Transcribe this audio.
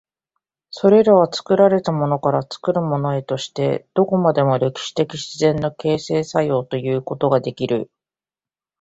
それは作られたものから作るものへとして、どこまでも歴史的自然の形成作用ということができる。